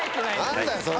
何だよそれ！